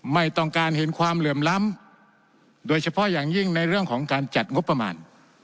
ไม่ต้องการเห็นความเหลื่อมล้ำโดยเฉพาะอย่างยิ่งในเรื่องของการจัดงบประมาณ